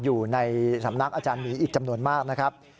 อยู่ในสำนักอาจารย์หมีอีกจำนวนมากนะครับ